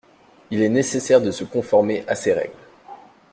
Il est nécessaire de se conformer à ces règles.